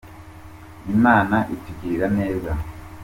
Imana itugirira neza.